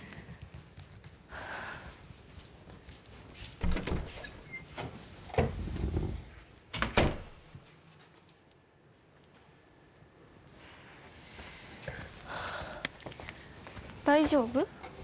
はあはあ大丈夫？